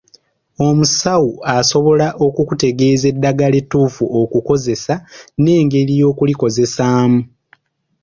Omusawo asobola okukutegeeza eddagala ettuufu okukozesa n’engeri y’okulikozesaamu.